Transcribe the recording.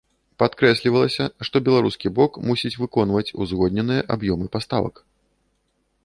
Падкрэслівалася, што беларускі бок мусіць выконваць узгодненыя аб'ёмы паставак.